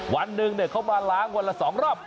วันหนึ่งเขามาล้างวันละ๒รอบ